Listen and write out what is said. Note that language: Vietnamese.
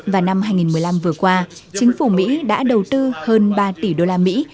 vào năm hai nghìn một mươi năm vừa qua chính phủ mỹ đã đầu tư hơn ba tỷ đô la mỹ